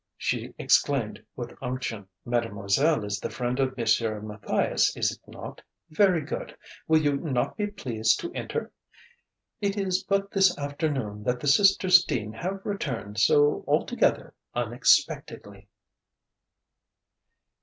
she exclaimed with unction. "Mademoiselle is the friend of Monsieur Matthias, is it not? Very good. Will you not be pleased to enter? It is but this afternoon that the Sisters Dean have returned so altogether unexpectedly."